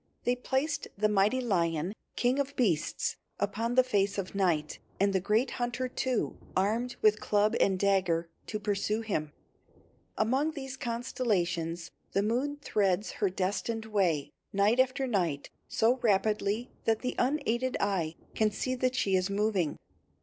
They placed the mighty lion, king of beasts, upon the face of night, and the great hunter, too, armed with club and dagger, to pursue him. Among these constellations the moon threads her destined way, night after night, so rapidly that the unaided eye can see that she is moving.